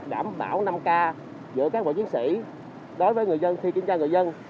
đảm bảo năm k giữa cán bộ chiến sĩ đối với người dân khi kiểm tra người dân